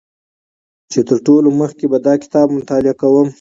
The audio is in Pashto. چې تر ټولو مخکې به دا کتاب مطالعه کوم